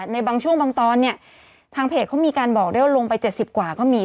ในบางช่วงบางตอนเนี่ยทางเพจเขามีการบอกได้ว่าลงไป๗๐กว่าก็มี